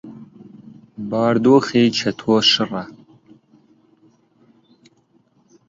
بارودۆخی چەتۆ شڕە.